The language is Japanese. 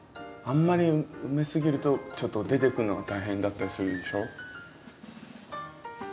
あんまり埋めすぎるとちょっと出てくるのが大変だったりするんでしょ。